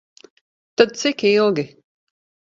Tad cik ilgi?